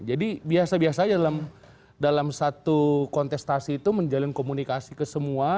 jadi biasa biasa saja dalam satu kontestasi itu menjalin komunikasi ke semua